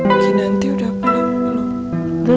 mungkin nanti udah pulang belum